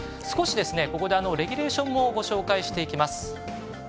少し、ここでレギュレーションもご紹介します。